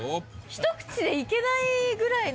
一口でいけないぐらいの。